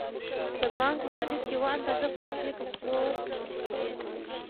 د بانک مالک یوه اندازه پیسې په پور ورکوي